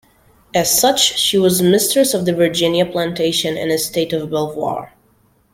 As such, she was mistress of the Virginia plantation and estate of Belvoir.